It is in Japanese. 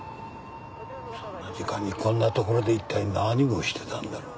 そんな時間にこんなところでいったい何をしてたんだろう？